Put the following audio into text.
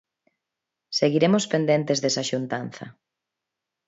Seguiremos pendentes desa xuntanza.